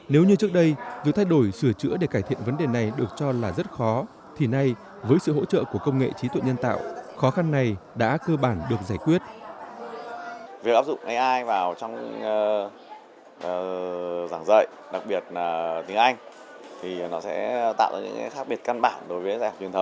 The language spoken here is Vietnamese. nếu như trước đây vừa thay đổi sửa chữa điện thoại của người việt khi học tiếng anh